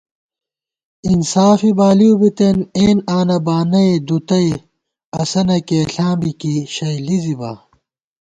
انصافے بالِؤ بِتېن اېن آنہ بانَئے دُتَئ اسَہ نہ کېئݪاں بی کِی شَئ لِزِبا